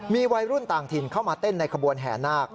มีวัยรุ่นต่างถิ่นเข้ามาเต้นในขบวนแห่นาค